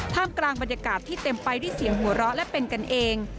กลางบรรยากาศที่เต็มไปด้วยเสียงหัวเราะและเป็นกันเอง